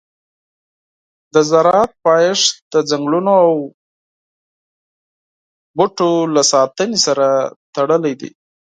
د زراعت پایښت د ځنګلونو او بوټو له ساتنې سره تړلی دی.